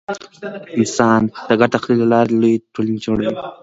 انسانان د ګډ تخیل له لارې لویې ټولنې جوړوي.